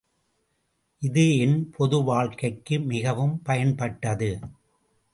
இது என் பொதுவாழ்க்கைக்கு மிகவும் பயன்பட்டது.